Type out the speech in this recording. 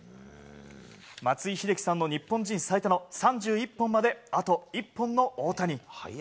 松井秀喜さんの日本人最多の３１本まで、あと１本の大谷。